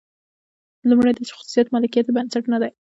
لومړی دا چې خصوصي مالکیت یې بنسټ نه دی.